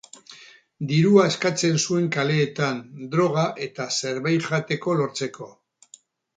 Dirua eskatzen zuen kaleetan, droga eta zerbait jateko lortzeko.